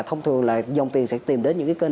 thông thường là dòng tiền sẽ tìm đến những cái kênh